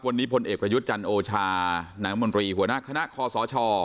วันนี้พลเอกประยุทธ์จันทร์โอชานายมนตรีหัวหน้าคณะคอสช